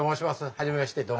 初めましてどうも。